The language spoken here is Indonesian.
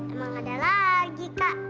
emang ada lagi kak